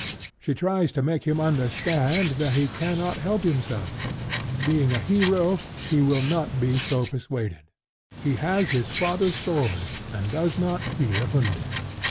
She tries to make him understand that he cannot help himself. Being a hero, he will not be so persuaded: he has his father's sword, and does not fear Hunding.